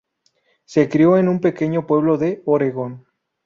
Se crio en un pequeño pueblo de Oregon.